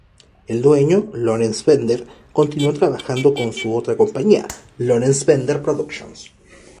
El dueño, Lawrence Bender, continuó trabajando con su otra compañía, Lawrence Bender Productions.